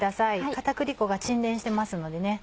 片栗粉が沈殿してますのでね。